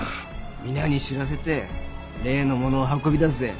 皆に知らせて例のものを運び出すぜ。